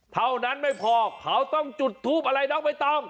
เท่านั้นไม่พอเขาต้องจุดทูปอะไรน้องใบตอง